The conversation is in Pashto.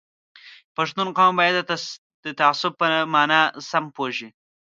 پښتون قوم باید د تعصب په مانا سم پوه شي